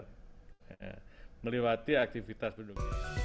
jadi kita bisa melewati aktivitas penduduk